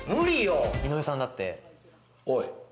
井上さんだって。